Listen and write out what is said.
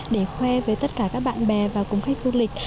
để khoe với tất cả các bạn bè và cùng khách du lịch